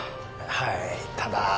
はいただ。